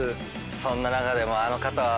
そんな中でもあの方は元気かな。